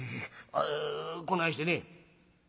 ああこないしてね」。